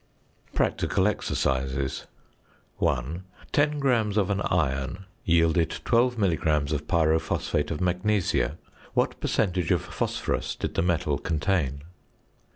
PRACTICAL EXERCISES. 1. Ten grams of an iron yielded 12 milligrams of pyrophosphate of magnesia. What percentage of phosphorus did the metal contain?